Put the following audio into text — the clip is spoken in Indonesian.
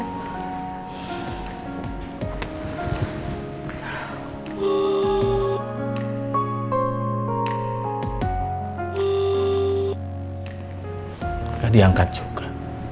enggak diangkat juga